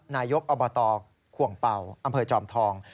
นายกอบตขวงเป่าอำเภอจอมทอง